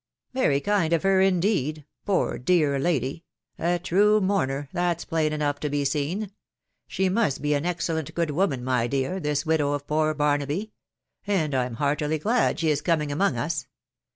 " Very kind of her indeed !.... Poor dear lady !.... a true mourner, that's plain enough to be seen She must be an excellent good woman, my dear, this widow of poor Barnaby; and I'm heartily glad she is coming among us.